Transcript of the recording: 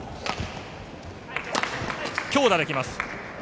強打で来ます。